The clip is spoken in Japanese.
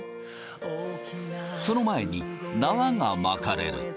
その前に縄が巻かれる。